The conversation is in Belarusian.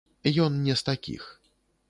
Ён не з такіх.